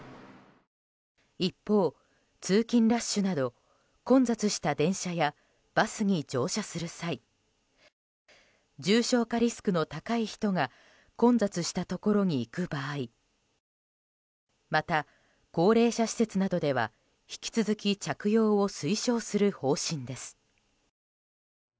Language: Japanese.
一方、通勤ラッシュなど混雑した電車やバスに乗車する際重症化リスクの高い人が混雑したところに行く場合また、高齢者施設などでは引き続き着用を推奨する方針です。